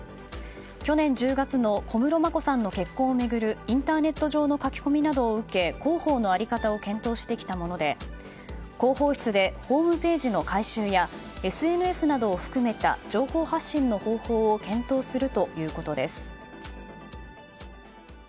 去年１０月の小室眞子さんの結婚を巡るインターネット上の書き込みなどを受け広報の在り方を検討してきたもので広報室でホームページの改修やＳＮＳなどを含めた情報発信の方法を検討するということです。